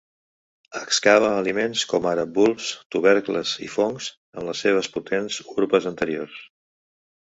Excava aliments com ara bulbs, tubercles i fongs amb les seves potents urpes anteriors.